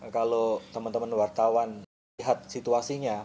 kalau teman teman wartawan melihat situasinya